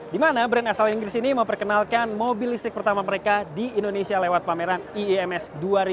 dimana brand asal inggris ini mau perkenalkan mobil listrik pertama mereka di indonesia lewat pameran iems dua ribu dua puluh tiga